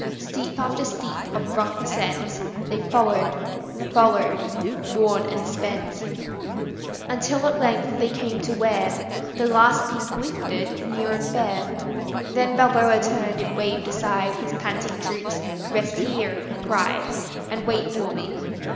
Steep after steep of rough ascent They followed, followed, worn and spent, Until at length they came to where The last peak lifted near and fair; Then Balboa turned and waved aside His panting troops. "Rest here," he cried, "And wait for me."